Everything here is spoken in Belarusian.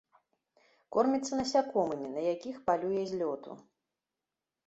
Корміцца насякомымі, на якіх палюе з лёту.